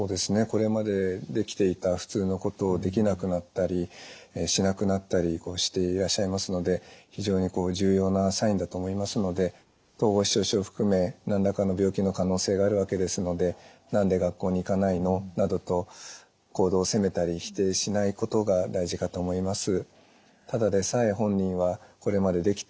これまでできていたふつうのことをできなくなったりしなくなったりしていらっしゃいますので非常に重要なサインだと思いますので統合失調症含め何らかの病気の可能性があるわけですので「なんで学校に行かないの」などと行動を責めたり否定しないことが大事かと思います。